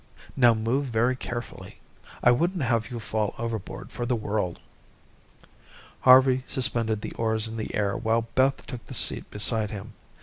Now move very carefully. I wouldn't have you fall overboard for the world." Harvey suspended the oars in the air while Beth took the seat beside him.